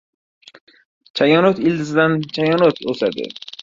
• Chayono‘t ildizidan chayono‘t o‘sadi.